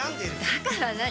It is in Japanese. だから何？